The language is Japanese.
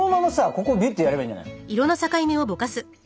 ここびゅってやればいいんじゃないの？